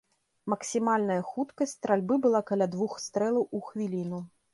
Максімальная хуткасць стральбы была каля двух стрэлаў у хвіліну.